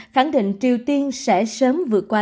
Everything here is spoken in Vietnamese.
khẳng định triều tiên sẽ sớm vượt qua